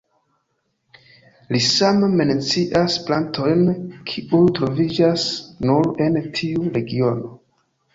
Li same mencias plantojn kiuj troviĝas nur en tiu regiono.